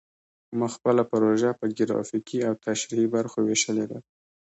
ما خپله پروژه په ګرافیکي او تشریحي برخو ویشلې ده